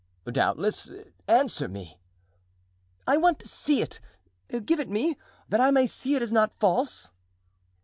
"Doubtless, answer me." "I want to see it. Give it me, that I may see it is not false."